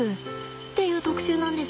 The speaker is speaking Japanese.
っていう特集なんです。